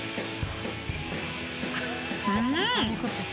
うん！